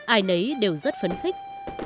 ai nấy đều rất phấn khích